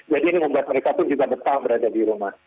jadi ini membuat mereka juga bisa berada di rumah